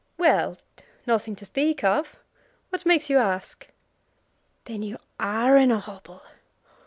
"Well; nothing to speak of. What makes you ask?" "Then you are in a hobble?